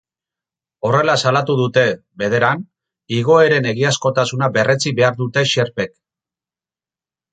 Horrela salatu dute, bederan, igoeren egiazkotasuna berretsi behar dute sherpek.